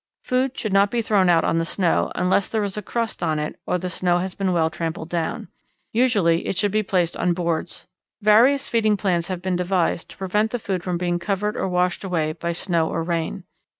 Food should not be thrown out on the snow unless there is a crust on it or the snow has been well trampled down. Usually it should be placed on boards. Various feeding plans have been devised to prevent the food from being covered or washed away by snow or rain.